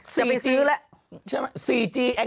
จะไปซื้อแล้ว